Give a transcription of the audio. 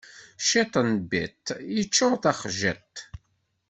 Ciṭ n biṭ yeččuṛ taxjiṭ.